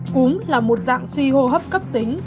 cúm là một dạng suy hô hấp cấp tính